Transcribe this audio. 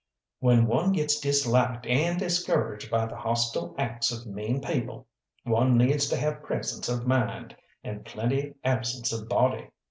When one gets disliked and discouraged by the hostile acts of mean people, one needs to have presence of mind and plenty absence of body.